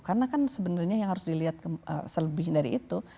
karena kan sebenarnya yang harus dilihat selebih dari itu